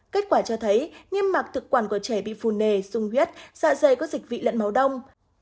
kết quả cho thấy niêm mạc thực quản của trẻ bị phù nề sung huyết dạ dày có dịch vị lận máu đông